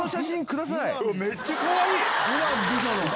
めっちゃかわいい！